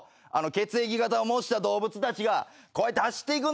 血液型を模した動物たちがこうやって走っていくんです。